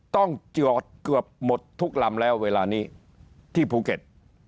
ต้องจอดเกือบหมดทุกลำแล้วเวลานี้ที่ภูเก็ต